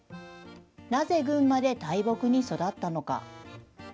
なぜ、軍まで大木に育ったのか。